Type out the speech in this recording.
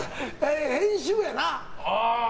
編集やな。